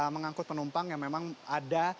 mengangkut penumpang yang memang ada